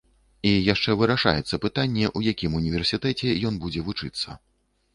І яшчэ вырашаецца пытанне, у якім універсітэце ён будзе вучыцца.